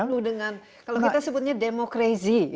penuh dengan kalau kita sebutnya demokrazy